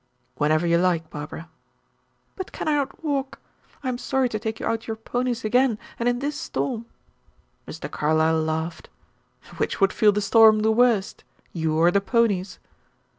"Whenever you like, Barbara." "But can I not walk? I am sorry to take out your ponies again, and in this storm." Mr. Carlyle laughed. "Which would feel the storm the worst, you or the ponies?"